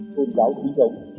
tôn giáo chính thống